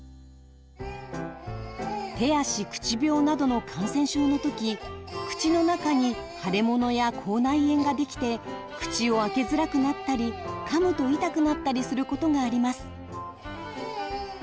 手足口病などの感染症のとき口の中に腫れ物や口内炎が出来て口を開けづらくなったりかむと痛くなったりすることがあります。